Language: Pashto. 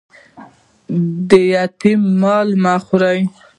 د یتيم مال مه خوري